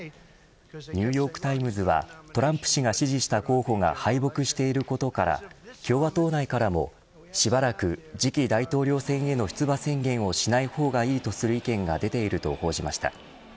ニューヨーク・タイムズはトランプ氏が支持した候補が敗北していることから共和党内からもしばらく次期大統領選への出馬宣言をしないほうがいいとする意見が出ていると報じました。